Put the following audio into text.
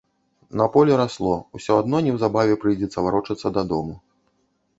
На полі расло, усё адно неўзабаве прыйдзецца варочацца дадому.